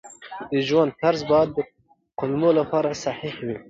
د ژوند طرز باید د کولمو لپاره صحي وي.